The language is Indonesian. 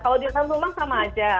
kalau di jakarta memang sama aja